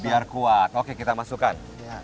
biar kuat oke kita masukkan